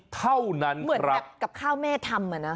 เท่านั้นครับเหมือนกับข้าวแม่ทำ